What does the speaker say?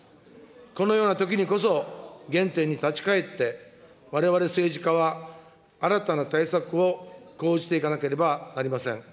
このようなときにこそ、原点に立ち返って、われわれ政治家は新たな対策を講じていかなければなりません。